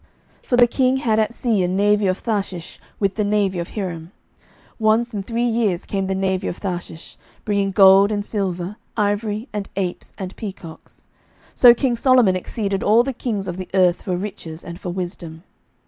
11:010:022 For the king had at sea a navy of Tharshish with the navy of Hiram: once in three years came the navy of Tharshish, bringing gold, and silver, ivory, and apes, and peacocks. 11:010:023 So king Solomon exceeded all the kings of the earth for riches and for wisdom.